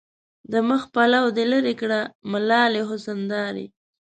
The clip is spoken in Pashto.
د مخ پلو دې لېري کړه ملالې حسن دارې